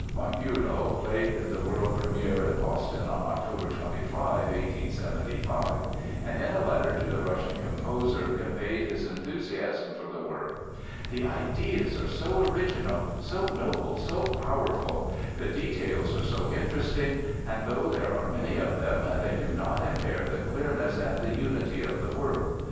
Von Bülow played the world première in Boston on October 25, 1875, and in a letter to the Russian composer conveyed his enthusiasm for the work: "The ideas are so original, so noble, so powerful; the details are so interesting, and though there are many of them they do not impair the clearness and the unity of the work.